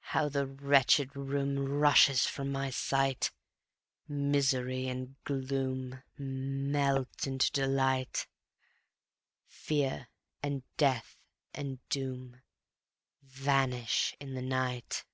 How the wretched room Rushes from my sight; Misery and gloom Melt into delight; Fear and death and doom Vanish in the night.